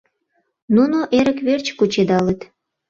Нуно эрык верч кучедалыт!